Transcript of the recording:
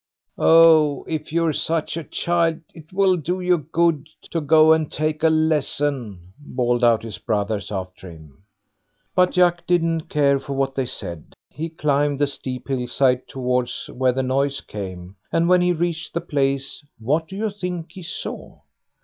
"Oh, if you're such a child, 'twill do you good to go and take a lesson", bawled out his brothers after him. But Jack didn't care for what they said; he climbed the steep hill side towards where the noise came, and when he reached the place, what do you think he saw?